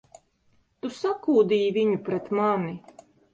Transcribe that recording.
Tu sakūdīji viņu pret mani!